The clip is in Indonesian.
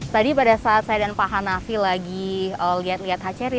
tadi pada saat saya dan pak hanafi lagi lihat lihat hachery